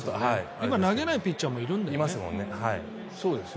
今、投げないピッチャーもいるんだよね。